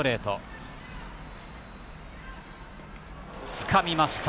つかみました。